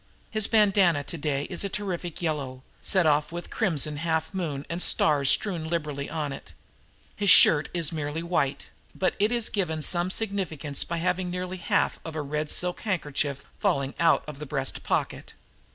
His bandanna today is a terrific yellow, set off with crimson half moon and stars strewn liberally on it. His shirt is merely white, but it is given some significance by having nearly half of a red silk handkerchief falling out of the breast pocket.